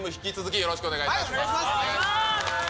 よろしくお願いします。